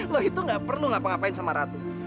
lo itu nggak perlu ngapa ngapain sama ratu